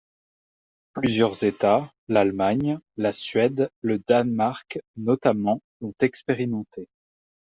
Plusieurs États, l’Allemagne, la Suède, le Danemark notamment, l’ont expérimenté.